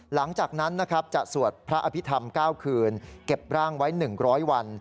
หลังจากนั้นจะสวดพระอภิษฐรรมเก้าคืนเก็บร่างไว้หนึ่งร้อยวัน